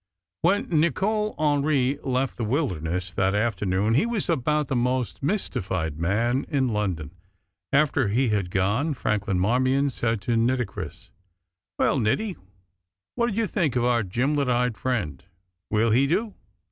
When Nicol Hendry left "The Wilderness" that afternoon he was about the most mystified man in London. After he had gone, Franklin Marmion said to Nitocris: "Well, Niti, what do you think of our gimlet eyed friend? Will he do?"